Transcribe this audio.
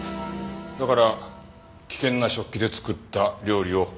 だから危険な食器で作った料理を送ったのか？